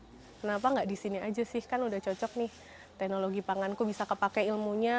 aku ngerasa kayak ah udah nih kenapa nggak di sini aja sih kan udah cocok nih teknologi panganku bisa kepake ilmunya